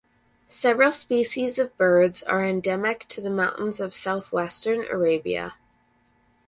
Several species of birds are endemic to the mountains of southwestern Arabia.